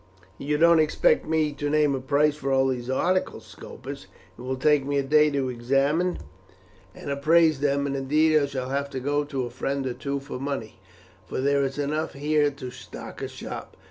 "You don't expect me to name a price for all these articles, Scopus? It will take me a day to examine and appraise them; and, indeed, I shall have to go to a friend or two for money, for there is enough here to stock a shop.